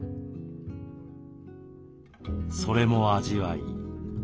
それも味わい。